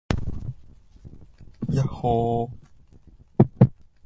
yahhoo